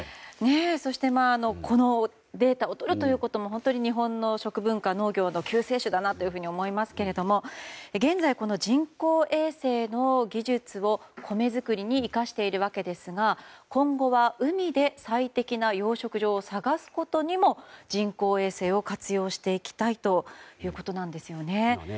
そしてこのデータをとるということも本当に日本の食文化農業の救世主だと思いますが現在、人工衛星の技術を米作りに生かしているわけですが今後は海で最適な養殖場を探すことにも人工衛星を活用していきたいということなんですね。